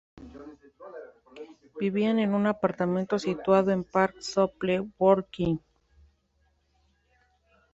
Vivían en un apartamento situado en Park Slope, Brooklyn.